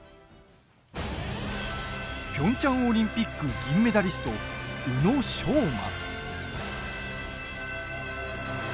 ピョンチャンオリンピック銀メダリスト、宇野昌磨。